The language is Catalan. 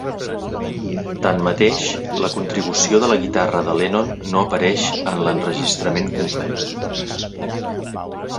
Tanmateix, la contribució de la guitarra de Lennon no apareix en l'enregistrament complet.